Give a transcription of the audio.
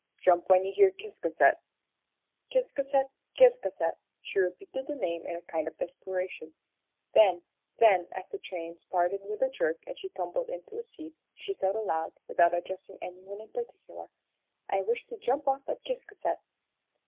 "Jump when you hear Ciscasset." "Ciscasset, Ciscasset!" she repeated the name in a kind of desperation, then, as the train started with a jerk and she tumbled into a seat, she said aloud, and without addressing any one in particular, "I wish to jump off at Ciscasset."